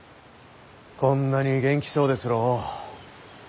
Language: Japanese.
こんなに元気そうですろう？